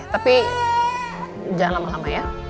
tapi jangan lama lama ya